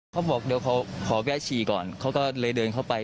เขาบอกเดี๋ยวเขาขอแวะฉี่ก่อนเขาก็เลยเดินเข้าไป